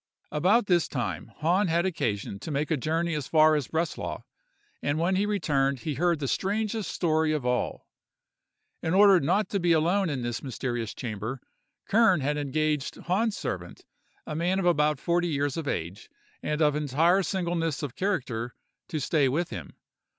"About this time, Hahn had occasion to make a journey as far as Breslau; and when he returned he heard the strangest story of all. In order not to be alone in this mysterious chamber, Kern had engaged Hahn's servant, a man of about forty years of age, and of entire singleness of character, to stay with him.